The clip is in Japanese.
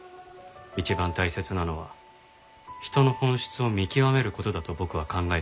一番大切なのは人の本質を見極める事だと僕は考えています。